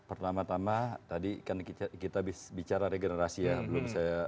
pertama tama tadi kan kita bicara regenerasi ya